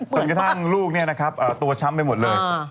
ก็ตั้งแต่ลูกตัวช้ำไปหมดเลย